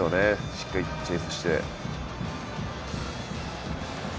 しっかりチェイスして。